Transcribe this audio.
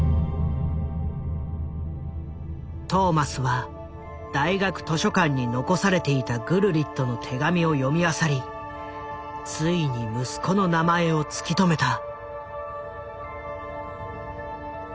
トーマスは大学図書館に残されていたグルリットの手紙を読みあさりついに息子の名前を突き止めた。